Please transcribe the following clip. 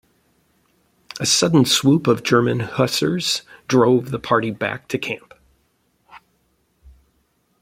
A sudden swoop of German hussars drove the party back to camp.